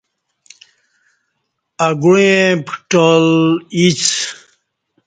اگوعیں پکٹال اِڅ